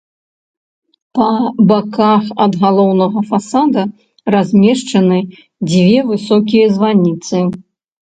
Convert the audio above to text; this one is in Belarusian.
Па баках ад галоўнага фасада размешчаны дзве высокія званіцы.